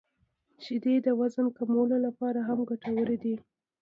• شیدې د وزن کمولو لپاره هم ګټورې دي.